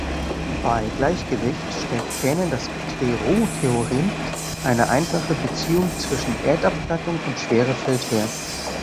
Bei Gleichgewicht stellt ferner das Clairaut-Theorem eine einfache Beziehung zwischen Erdabplattung und Schwerefeld her.